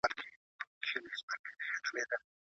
مطبوعات د مطالعې لپاره ګټورې سرچینې دي.